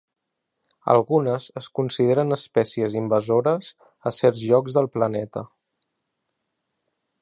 Algunes es consideren espècies invasores a certs llocs del planeta.